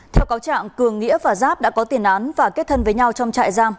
theo cáo trạng cường nghĩa và giáp đã có tiền án và kết thân với nhau trong trại giam